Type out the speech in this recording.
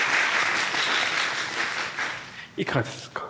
いかがでしたか？